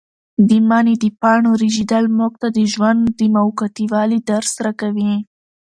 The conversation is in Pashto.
د مني د پاڼو رژېدل موږ ته د ژوند د موقتي والي درس راکوي.